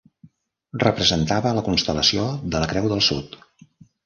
Representava la constel·lació de la creu del Sud.